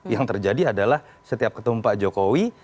yang terjadi adalah setiap ketemu pak jokowi